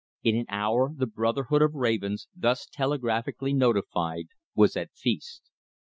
In an hour the brotherhood of ravens, thus telegraphically notified, was at feast.